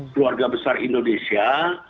keluarga besar indonesia